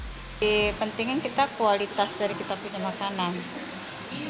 jadi pentingnya kita kualitas dari kita punya makanan